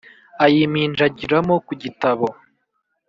ayaminjagira ku gitabo